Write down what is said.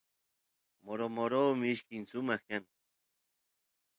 moro moro mishki sumaq kan